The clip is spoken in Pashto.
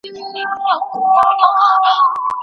ايا سياستپوهنه د واک د ساتلو مبارزه ده؟